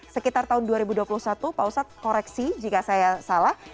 sekitar tahun dua ribu dua puluh satu pak ustadz koreksi jika saya salah